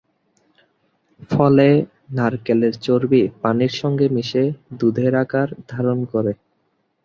ফলে নারকেলের চর্বি পানির সংগে মিশে দুধের আকার ধারণ করে।